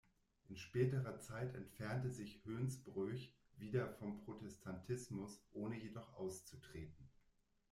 In späterer Zeit entfernte sich Hoensbroech wieder vom Protestantismus, ohne jedoch auszutreten.